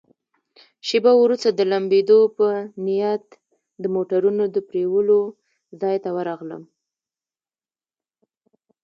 شیبه وروسته د لمبېدو په نیت د موټرونو د پرېولو ځای ته ورغلم.